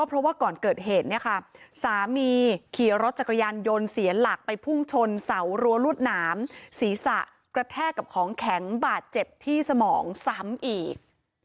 ไปพุ่งชนเสารัวรวดน้ำศีรษะกระแทกกับของแข็งบาดเจ็บที่สมองซ้ำอีก